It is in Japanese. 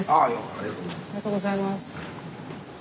ありがとうございます。